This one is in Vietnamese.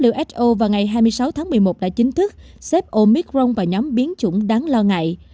who vào ngày hai mươi sáu tháng một mươi một đã chính thức xếp omicron vào nhóm biến chủng đáng lo ngại